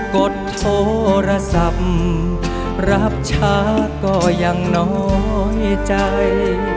กดโทรศัพท์รับช้าก็ยังน้อยใจ